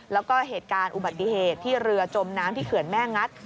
แล้วก็เหตุการณ์อุบัติเหตุที่เรือจมน้ำที่เขื่อนแม่งัด